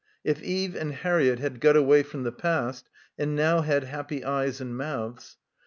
If Eve and Harriett had got away from the past and now had happy eyes and mouths.